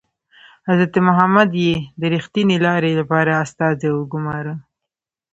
حضرت محمد یې د ریښتینې لارې لپاره استازی وګوماره.